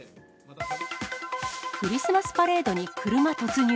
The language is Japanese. クリスマスパレードに車突入。